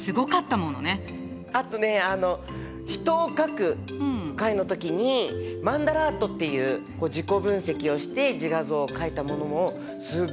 あとね「人を描く」回の時にマンダラートっていう自己分析をして自画像を描いたものもすっごい新鮮でした！